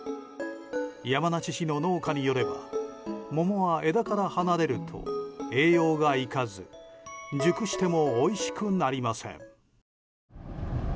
山梨市の農家によれば桃は、枝から離れると栄養がいかず熟しても、おいしくなりません。